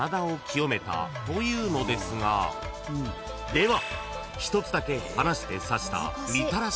［では］